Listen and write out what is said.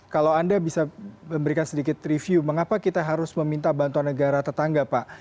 kalau anda bisa memberikan sedikit review mengapa kita harus meminta bantuan negara tetangga pak